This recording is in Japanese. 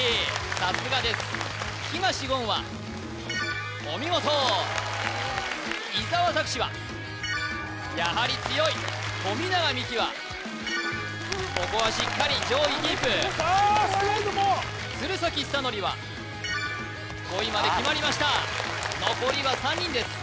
さすがです東言はお見事伊沢拓司はやはり強い富永美樹はここはしっかり上位キープ鶴崎修功は５位まで決まりました残りは３人です